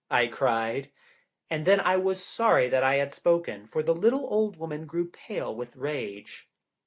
I cried. And then I was sorry that I had spoken, for the little old woman grew pale with rage.